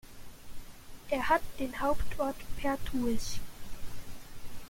Er hat den Hauptort Pertuis.